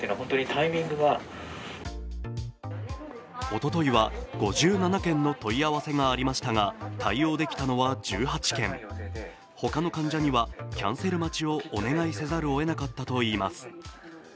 おとといは５７件の問い合わせがありましたが、対応できたのは１８件他の患者には、キャンセル待ちをお願いせざるを得なかったといいます。